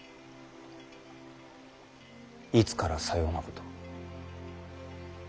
いつからさようなことを？